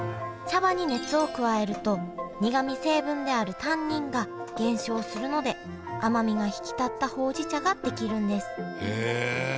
茶葉に熱を加えると苦み成分であるタンニンが減少するので甘みが引き立ったほうじ茶が出来るんですへえ。